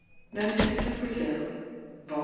(Notices of Brazil, vol.